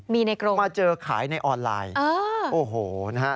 มีในกรงมาเจอขายในออนไลน์โอ้โหนะฮะ